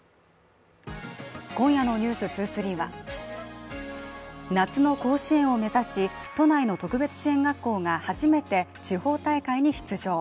今夜の「ｎｅｗｓ２３」は夏の甲子園を目指し、都内の特別支援学校が初めて地方大会に出場。